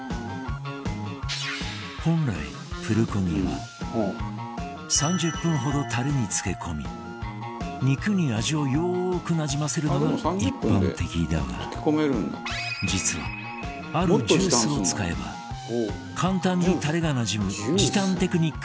本来プルコギは３０分ほどタレに漬け込み肉に味をよーくなじませるのが一般的だが実はあるジュースを使えば簡単にタレがなじむ時短テクニックがあるという